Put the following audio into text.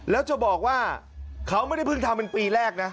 แล้วจะบอกว่าเขาไม่ได้เพิ่งทำเป็นปีแรกนะ